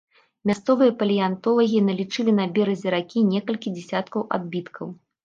Мясцовыя палеантолагі налічылі на беразе ракі некалькі дзесяткаў адбіткаў.